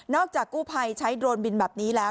จากกู้ภัยใช้โดรนบินแบบนี้แล้ว